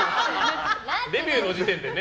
デビューの時点でね。